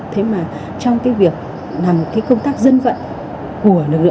thế mà trong cái việc làm cái công tác dân vận của lực lượng công an chính quy